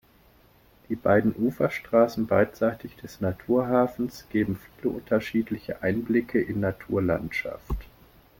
Die beiden Uferstraßen beidseitig des Naturhafens geben viele unterschiedliche Einblicke in Naturlandschaft.